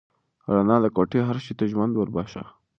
رڼا د کوټې هر شی ته ژوند ور وباښه.